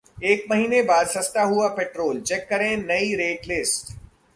एक महीने बाद सस्ता हुआ पेट्रोल, चेक करें नई रेट लिस्ट